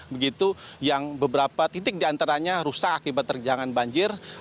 begitu yang beberapa titik diantaranya rusak akibat terjangan banjir